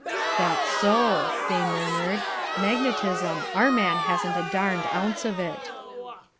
"That's so," they murmured, "magnetism, Our man hasn't a darned ounce of it."